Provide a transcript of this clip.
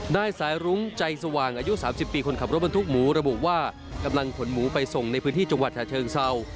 นายสายรุ้งใจสว่างอายุ๓๐ปีคนขับรถบรรทุกหมูระบุว่ากำลังขนหมูไปส่งในพื้นที่จังหวัดฉะเชิงเศร้า